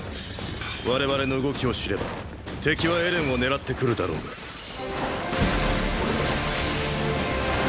我々の動きを知れば敵はエレンを狙って来るだろうがー